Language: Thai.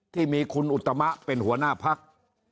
ที่มีคุณอุตมะเป็นหัวหน้าพัก